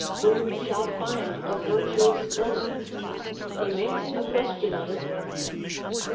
Who shall find a virtuous woman? He makes a question of it.